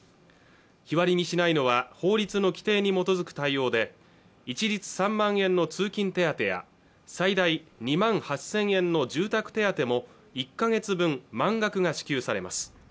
日割りにしないのは法律の規定に基づく対応で一律３万円の通勤手当や最大２万８０００円の住宅手当も１か月分満額が支給されます